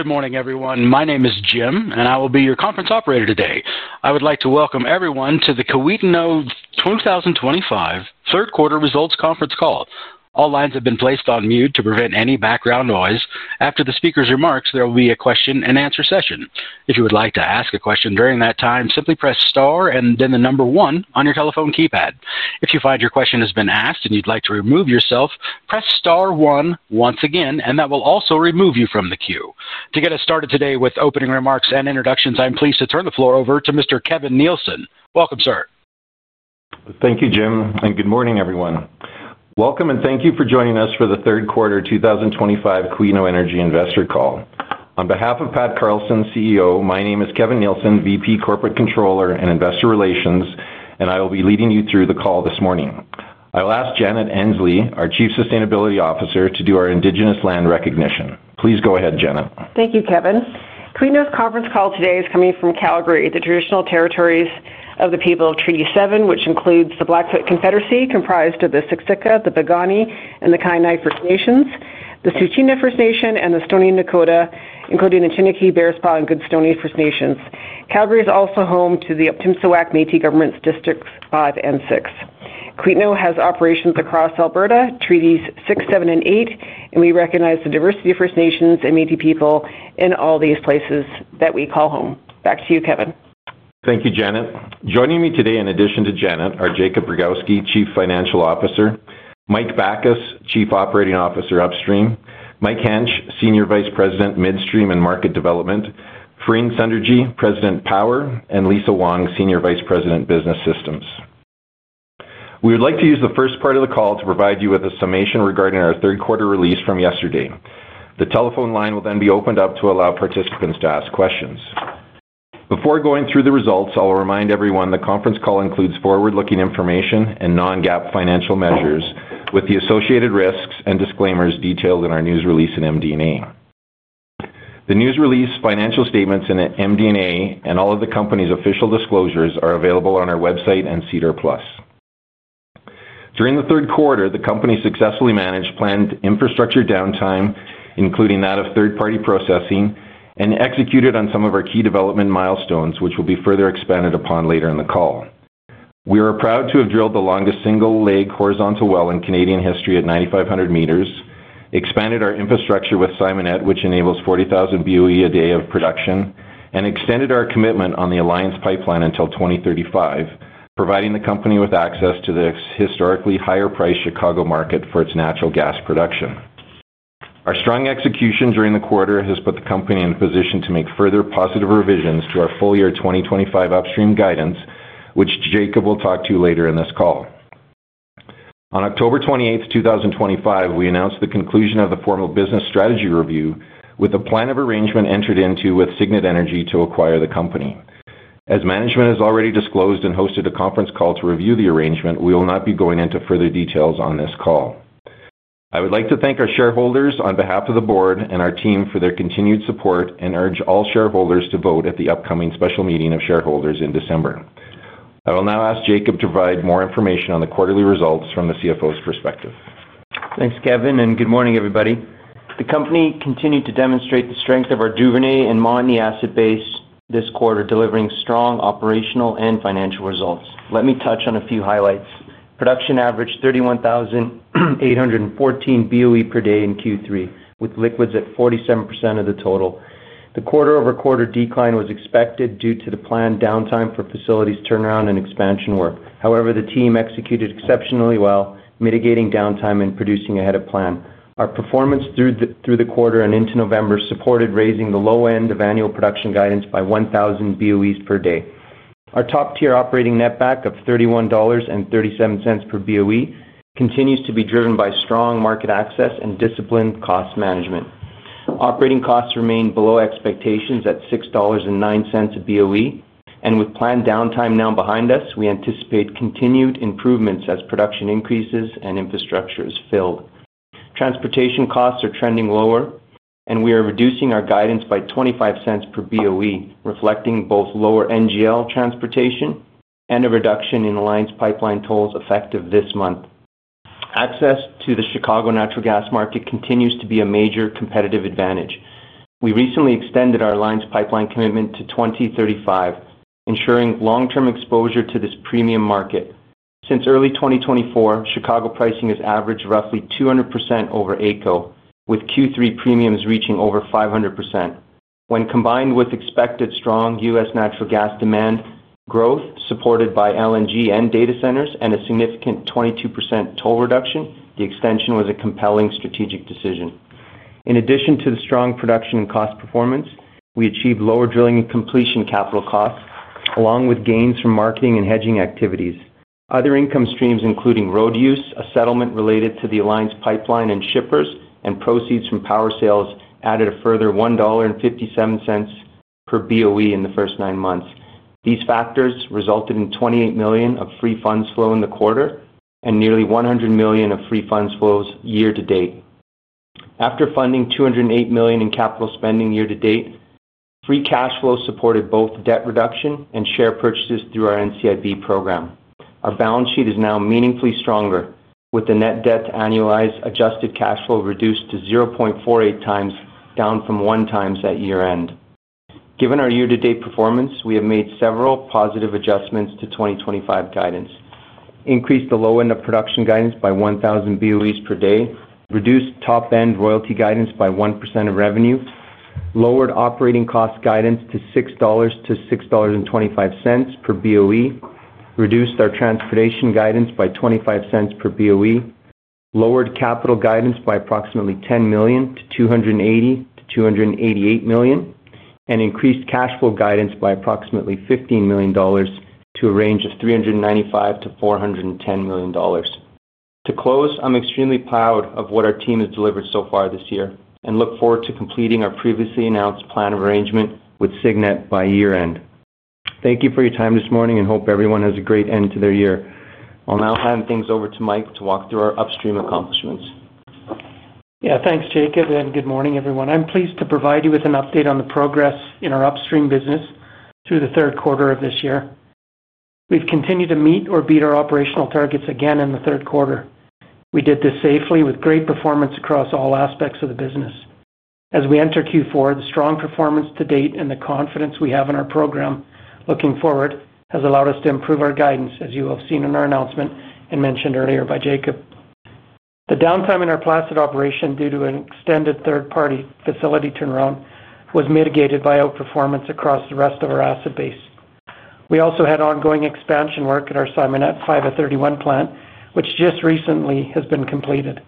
Good morning, everyone. My name is Jim, and I will be your conference operator today. I would like to welcome everyone to the Kiwetinohk 2025 third-quarter results conference call. All lines have been placed on mute to prevent any background noise. After the speaker's remarks, there will be a question-and-answer session. If you would like to ask a question during that time, simply press star and then the number one on your telephone keypad. If you find your question has been asked and you'd like to remove yourself, press star one once again, and that will also remove you from the queue. To get us started today with opening remarks and introductions, I'm pleased to turn the floor over to Mr. Kevin Nielsen. Welcome, sir. Thank you, Jim, and good morning, everyone. Welcome, and thank you for joining us for the third-quarter 2025 Kiwetinohk Energy Investor Call. On behalf of Pat Carlson, CEO, my name is Kevin Nielsen, VP Corporate Controller and Investor Relations, and I will be leading you through the call this morning. I'll ask Janet Annesley, our Chief Sustainability Officer, to do our Indigenous land recognition. Please go ahead, Janet. Thank you, Kevin. Kiwetinohk conference call today is coming from Calgary, the traditional territories of the people of Treaty 7, which includes the Blackfoot Confederacy, comprised of the Siksika, the Piikani, and the Kainai First Nations, the Tsuut'ina First Nation, and the Stoney Nakoda, including the Chiniki, Bearspaw, and Goodstoney First Nations. Calgary is also home to the Otipemisiwak Métis Government's Districts 5 and 6. Kiwetinohk has operations across Alberta, Treaties 6, 7, and 8, and we recognize the diversity of First Nations and Métis people in all these places that we call home. Back to you, Kevin. Thank you, Janet. Joining me today, in addition to Janet, are Jacob Rogowski, Chief Financial Officer; Mike Backus, Chief Operating Officer Upstream; Mike Hench, Senior Vice President Midstream and Market Development; Fareen Sunderji, President Power; and Lisa Wong, Senior Vice President Business Systems. We would like to use the first part of the call to provide you with a summation regarding our third-quarter release from yesterday. The telephone line will then be opened up to allow participants to ask questions. Before going through the results, I'll remind everyone the conference call includes forward-looking information and non-GAAP financial measures with the associated risks and disclaimers detailed in our news release and MD&A. The news release, financial statements, and MD&A, and all of the company's official disclosures are available on our website and SEDAR+. During the third quarter, the company successfully managed planned infrastructure downtime, including that of third-party processing, and executed on some of our key development milestones, which will be further expanded upon later in the call. We are proud to have drilled the longest single-leg horizontal well in Canadian history at 9,500 meters, expanded our infrastructure with Simonet, which enables 40,000 BOE a day of production, and extended our commitment on the Alliance Pipeline until 2035, providing the company with access to the historically higher-priced Chicago market for its natural gas production. Our strong execution during the quarter has put the company in a position to make further positive revisions to our full-year 2025 upstream guidance, which Jacob will talk to later in this call. On October 28, 2025, we announced the conclusion of the formal business strategy review with a plan of arrangement entered into with Signet Energy to acquire the company. As management has already disclosed and hosted a conference call to review the arrangement, we will not be going into further details on this call. I would like to thank our shareholders on behalf of the board and our team for their continued support and urge all shareholders to vote at the upcoming special meeting of shareholders in December. I will now ask Jakub to provide more information on the quarterly results from the CFO's perspective. Thanks, Kevin, and good morning, everybody. The company continued to demonstrate the strength of our Placid and Simonette asset base this quarter, delivering strong operational and financial results. Let me touch on a few highlights. Production averaged 31,814 BOE per day in Q3, with liquids at 47% of the total. The quarter-over-quarter decline was expected due to the planned downtime for facilities turnaround and expansion work. However, the team executed exceptionally well, mitigating downtime and producing ahead of plan. Our performance through the quarter and into November supported raising the low end of annual production guidance by 1,000 BOE per day. Our top-tier operating netback of $31.37 per BOE continues to be driven by strong market access and disciplined cost management. Operating costs remain below expectations at $6.09 a BOE, and with planned downtime now behind us, we anticipate continued improvements as production increases and infrastructure is filled. Transportation costs are trending lower, and we are reducing our guidance by $0.25 per BOE, reflecting both lower NGL transportation and a reduction in Alliance Pipeline tolls effective this month. Access to the Chicago natural gas market continues to be a major competitive advantage. We recently extended our Alliance Pipeline commitment to 2035, ensuring long-term exposure to this premium market. Since early 2024, Chicago pricing has averaged roughly 200% over ACO, with Q3 premiums reaching over 500%. When combined with expected strong U.S. natural gas demand growth supported by LNG and data centers and a significant 22% toll reduction, the extension was a compelling strategic decision. In addition to the strong production and cost performance, we achieved lower drilling and completion capital costs, along with gains from marketing and hedging activities. Other income streams, including road use, a settlement related to the Alliance Pipeline and shippers, and proceeds from power sales added a further $1.57 per BOE in the first nine months. These factors resulted in $28 million of free funds flow in the quarter and nearly $100 million of free funds flow year to date. After funding $208 million in capital spending year to date, free cash flow supported both debt reduction and share purchases through our NCIB program. Our balance sheet is now meaningfully stronger, with the net debt to annualized adjusted cash flow reduced to 0.48 times, down from one times at year-end. Given our year-to-date performance, we have made several positive adjustments to 2025 guidance: increased the low end of production guidance by 1,000 BOEs per day, reduced top-end royalty guidance by 1% of revenue, lowered operating cost guidance to $6.00-$6.25 per BOE, reduced our transportation guidance by $0.25 per BOE, lowered capital guidance by approximately $10 million-$280 million-$288 million, and increased cash flow guidance by approximately $15 million to a range of $395 million-$410 million. To close, I'm extremely proud of what our team has delivered so far this year and look forward to completing our previously announced plan of arrangement with Signet by year-end. Thank you for your time this morning and hope everyone has a great end to their year. I'll now hand things over to Mike to walk through our upstream accomplishments. Yeah, thanks, Jacob, and good morning, everyone. I'm pleased to provide you with an update on the progress in our upstream business through the third quarter of this year. We've continued to meet or beat our operational targets again in the third quarter. We did this safely with great performance across all aspects of the business. As we enter Q4, the strong performance to date and the confidence we have in our program looking forward has allowed us to improve our guidance, as you have seen in our announcement and mentioned earlier by Jacob. The downtime in our Placid operation due to an extended third-party facility turnaround was mitigated by outperformance across the rest of our asset base. We also had ongoing expansion work at our Simonet 531 plant, which just recently has been completed.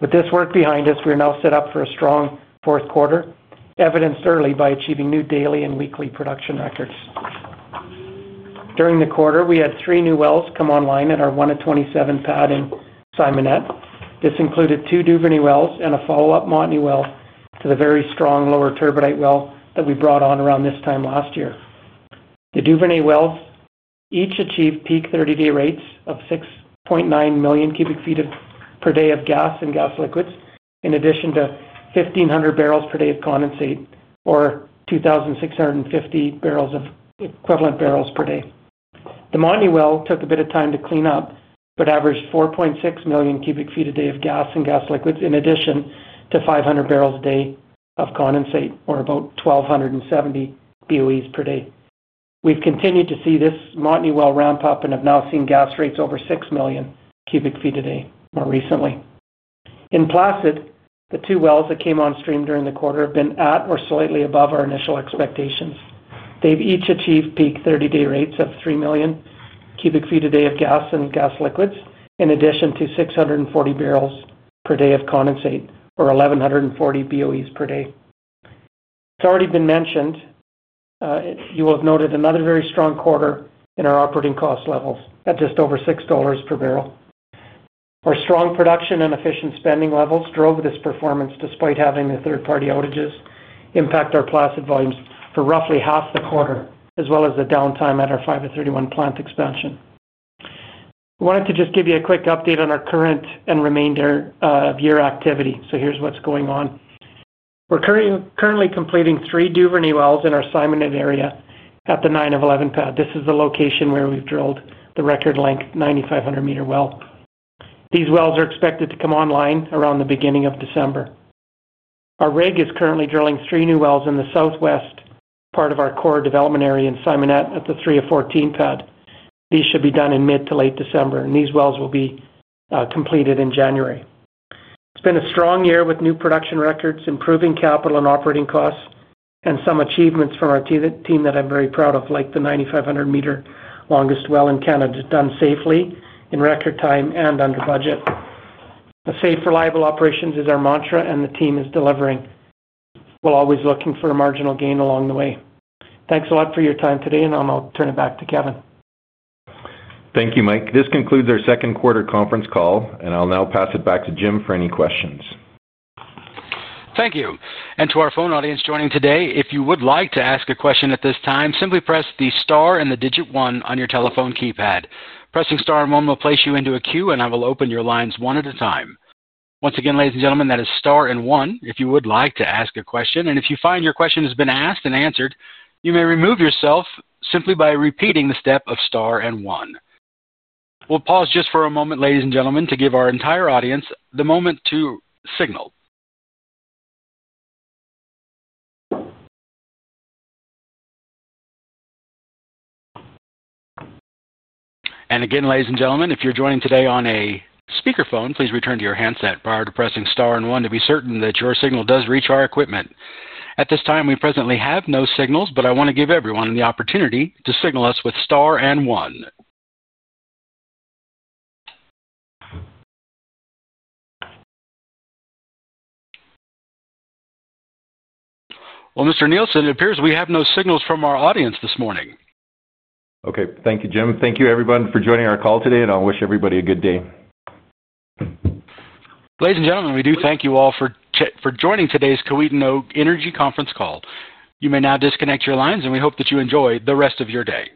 With this work behind us, we are now set up for a strong fourth quarter, evidenced early by achieving new daily and weekly production records. During the quarter, we had three new wells come online at our 127 pad in Simonet. This included two Juvenile wells and a follow-up Mony well to the very strong lower turbidite well that we brought on around this time last year. The Juvenile wells each achieved peak 30-day rates of 6.9 million cubic feet per day of gas and gas liquids, in addition to 1,500 barrels per day of condensate or 2,650 equivalent barrels per day. The Mony well took a bit of time to clean up but averaged 4.6 million cubic feet a day of gas and gas liquids, in addition to 500 barrels a day of condensate or about 1,270 BOEs per day. We've continued to see this money well ramp up and have now seen gas rates over 6 million cubic feet a day more recently. In Placid, the two wells that came on stream during the quarter have been at or slightly above our initial expectations. They've each achieved peak 30-day rates of 3 million cubic feet a day of gas and gas liquids, in addition to 640 barrels per day of condensate or 1,140 BOEs per day. It's already been mentioned. You will have noted another very strong quarter in our operating cost levels at just over $6 per barrel. Our strong production and efficient spending levels drove this performance despite having the third-party outages impact our Placid volumes for roughly half the quarter, as well as the downtime at our 531 plant expansion. I wanted to just give you a quick update on our current and remainder of year activity. Here's what's going on. We're currently completing three juvenile wells in our Simonet area at the 9 of 11 pad. This is the location where we've drilled the record-length 9,500 m well. These wells are expected to come online around the beginning of December. Our rig is currently drilling three new wells in the southwest part of our core development area in Simonet at the 3 of 14 pad. These should be done in mid to late December, and these wells will be completed in January. It's been a strong year with new production records, improving capital and operating costs, and some achievements from our team that I'm very proud of, like the 9,500 m longest well in Canada done safely in record time and under budget. A safe, reliable operation is our mantra, and the team is delivering. We're always looking for a marginal gain along the way. Thanks a lot for your time today, and I'll now turn it back to Kevin. Thank you, Mike. This concludes our second quarter conference call, and I'll now pass it back to Jim for any questions. Thank you. To our phone audience joining today, if you would like to ask a question at this time, simply press the star and the digit one on your telephone keypad. Pressing star and one will place you into a queue, and I will open your lines one at a time. Once again, ladies and gentlemen, that is star and one if you would like to ask a question. If you find your question has been asked and answered, you may remove yourself simply by repeating the step of star and one. We'll pause just for a moment, ladies and gentlemen, to give our entire audience the moment to signal. Again, ladies and gentlemen, if you're joining today on a speakerphone, please return to your handset prior to pressing star and one to be certain that your signal does reach our equipment. At this time, we presently have no signals, but I want to give everyone the opportunity to signal us with star and one. Mr. Nielsen, it appears we have no signals from our audience this morning. Okay. Thank you, Jim. Thank you, everyone, for joining our call today, and I'll wish everybody a good day. Ladies and gentlemen, we do thank you all for joining today's Kiwetinohk Energy conference call. You may now disconnect your lines, and we hope that you enjoy the rest of your day.